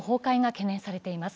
懸念されています。